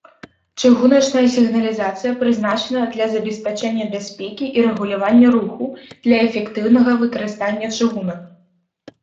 Чыгуначная сігналізацыя прызначана для забеспячэння бяспекі і рэгулявання руху для эфектыўнага выкарыстання чыгунак.